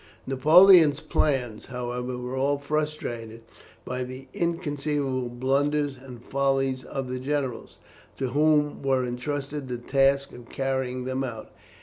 Napoleon's plans, however, were all frustrated by the inconceivable blunders and follies of the generals, to whom were entrusted the task of carrying them out.